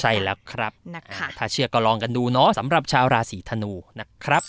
ใช่แล้วครับนะคะถ้าเชื่อก็ลองกันดูสำหรับชาวราสีธานูครับ